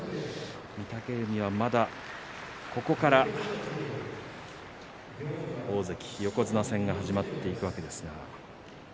御嶽海は、まだここから大関横綱戦が始まっていくわけです。